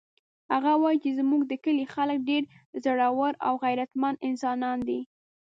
هغه وایي چې زموږ د کلي خلک ډېر زړور او غیرتمن انسانان دي